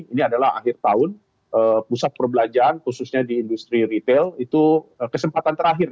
ini adalah akhir tahun pusat perbelanjaan khususnya di industri retail itu kesempatan terakhir